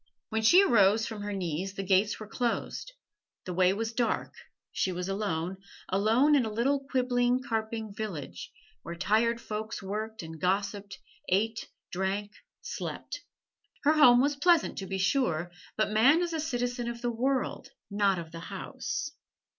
When she arose from her knees the gates were closed; the way was dark; she was alone alone in a little quibbling, carping village, where tired folks worked and gossiped, ate, drank, slept. Her home was pleasant, to be sure, but man is a citizen of the world, not of a house.